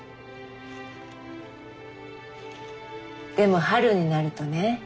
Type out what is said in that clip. でも春になるとね